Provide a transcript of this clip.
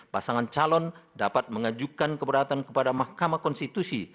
pasangan calon dapat mengajukan keberatan kepada mahkamah konstitusi